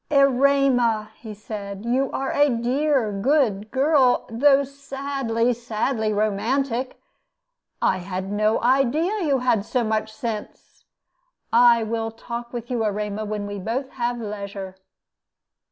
"Erema," he said, "you are a dear good girl, though sadly, sadly romantic. I had no idea that you had so much sense. I will talk with you, Erema, when we both have leisure."